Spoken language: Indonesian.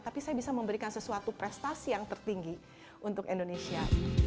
tapi saya bisa memberikan sesuatu prestasi yang tertinggi untuk indonesia